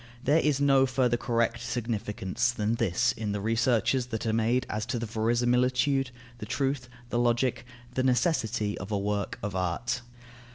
There is no further correct significance than this in the researches that are made as to the verisimilitude, the truth, the logic, the necessity, of a work of art.